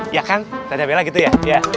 ya kan tanda bela gitu ya